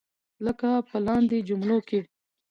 لکه په لاندې جملو کې.